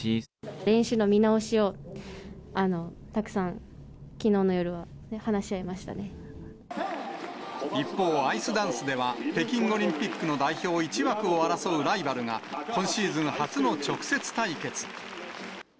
練習の見直しをたくさん、一方、アイスダンスでは、北京オリンピックの代表１枠を争うライバルが、今シーズン初の直接対決。